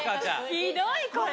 ひどいこれ。